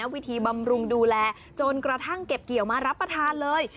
บำรุงดูแลจนกระทั่งเก็บเกี่ยวมารับประทานเลย